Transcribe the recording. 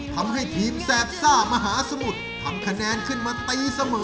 ทำให้ทีมแสบซ่ามหาสมุทรทำคะแนนขึ้นมาตีเสมอ